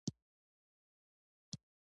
پکتیا د افغانستان د ځمکې د جوړښت نښه ده.